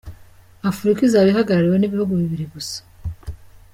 Afurika izaba ihagarariwe n’ibihugu bibiri gusa.